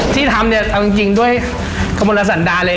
ที่ทำเนี้ยจริงจริงด้วยนะคมณะสันดาเลยคือ